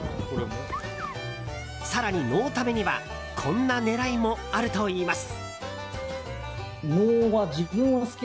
更に、農タメにはこんな狙いもあるといいます。